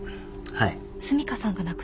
はい？